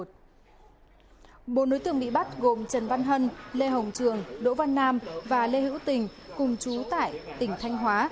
bốn đối tượng bị bắt gồm trần văn hân lê hồng trường đỗ văn nam và lê hữu tình cùng chú tại tỉnh thanh hóa